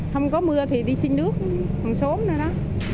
không có mưa thì đi xin nước còn sốt nữa đó